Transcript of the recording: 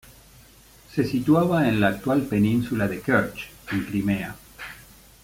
Se situaba en la actual península de Kerch, en Crimea.